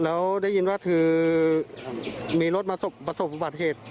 แล้วได้ยินว่าไม่มีรถมาส่งประสบบาทเหตุ